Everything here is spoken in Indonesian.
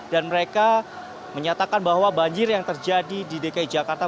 dan mereka menyatakan bahwa banjir yang terjadi di dki jakarta